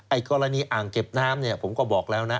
กรณีอ่างเก็บน้ำเนี่ยผมก็บอกแล้วนะ